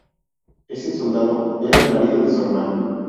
Ese soldado era el marido de su hermana.